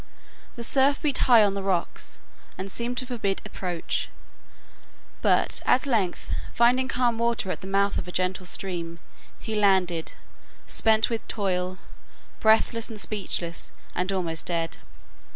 The surf beat high on the rocks and seemed to forbid approach; but at length finding calm water at the mouth of a gentle stream, he landed, spent with toil, breathless and speechless and almost dead.